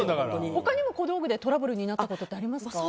他にも小道具でトラブルになったことってありますか？